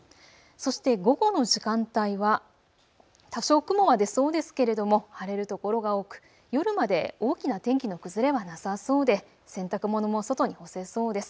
そして午後の時間帯は多少、雲は出そうですけれども晴れる所が多く夜まで大きな天気の崩れはなさそうで洗濯物も外に干せそうです。